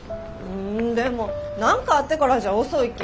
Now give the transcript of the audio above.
んでも何かあってからじゃ遅いき